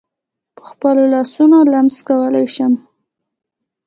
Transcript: په خپلو لاسونو لمس کولای شم.